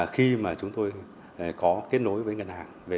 khi mà chúng tôi có kết nối với ngân hàng